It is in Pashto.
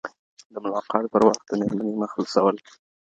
د ملاقات پر وخت د ميرمني مخ لوڅول.